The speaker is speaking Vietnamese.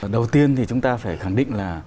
đầu tiên thì chúng ta phải khẳng định là